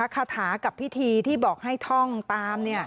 คาถากับพิธีที่บอกให้ท่องตาม